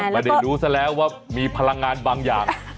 เขาเรียนรู้ซะแล้วว่ามีพลังงานบางอย่าง